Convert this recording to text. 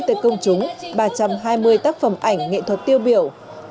tới công chúng ba trăm hai mươi tác phẩm ảnh nghệ thuật tiêu biểu